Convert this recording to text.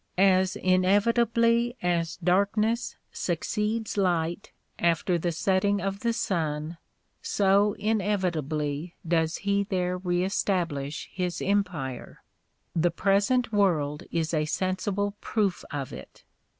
As inevitably as darkness :0* 234 The Sign of the Cross succeeds light after the setting of the sun, so inevitably does he there reestablish his em pire. The present world is a sensible proof of it.